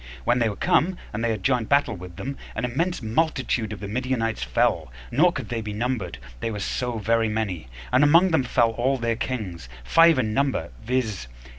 When they were come, and they had joined battle with them, an immense multitude of the Midianites fell; nor could they be numbered, they were so very many: and among them fell all their kings, five in number, viz.